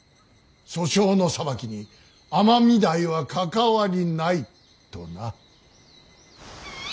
訴訟の裁きに尼御台は関わりないとな。